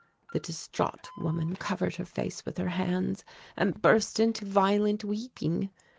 The distraught woman covered her face with her hands and burst into violent weeping.